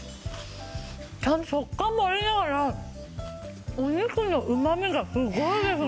ちゃんと食感もありながらお肉のうまみがすごいですね。